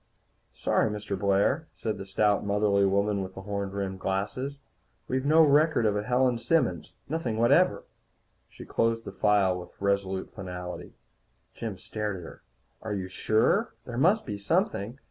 "Sorry, Mr. Blair," said the stout, motherly woman with the horn rimmed glasses. "We've no record of a Helen Simmons. Nothing whatever." She closed the file with resolute finality. Jim stared at her. "Are you sure? There must be something.